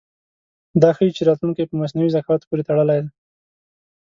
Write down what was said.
دا ښيي چې راتلونکی په مصنوعي ذکاوت پورې تړلی دی.